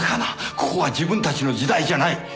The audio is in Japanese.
ここは自分たちの時代じゃない。